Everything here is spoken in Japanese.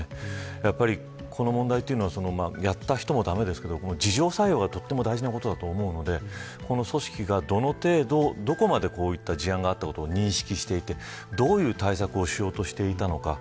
やっぱりこの問題はやった人も駄目ですが自浄作用がとても大事なことだと思うのでこの組織がどの程度どこまで、こういった事案があったことを認識しどういう対策をしようとしていたのか。